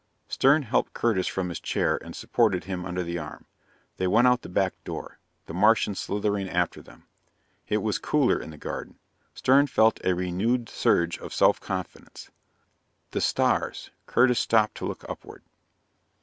Stern helped Curtis from his chair and supported him under the arm. They went out the back door, the Martian slithering after them. It was cooler in the garden. Stern felt a renewed surge of self confidence. "The stars " Curtis stopped to look upward.